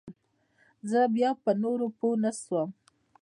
زه بيا په نورو پوه نسوم.